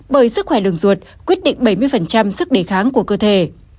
bởi sức khỏe đường ruột quyết định bảy mươi sức đề kháng của cơ thể